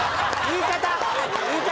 言い方！